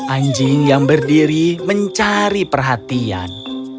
anjing yang berdiri mencari perhatian